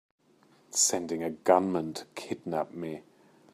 Sending a gunman to kidnap me!